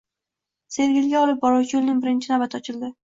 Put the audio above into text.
Sergeliga olib boruvchi yo‘lning birinchi navbati ochildi